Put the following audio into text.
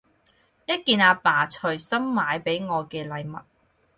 一件阿爸隨心買畀我嘅禮物